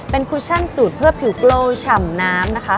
เป็นคูชั่นสูตรเพื่อผิวโก้ฉ่ำน้ำนะคะ